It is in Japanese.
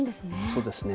そうですね。